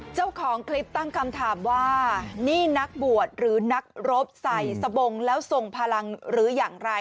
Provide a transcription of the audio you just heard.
เจ้าของคลิปตั้งคำถามว่านี่นักบวชหรือนักรบใส่สบงแล้วทรงพลังหรืออย่างไร